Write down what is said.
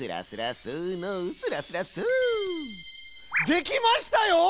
できましたよ！